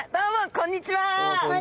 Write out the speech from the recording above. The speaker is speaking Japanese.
こんにちは！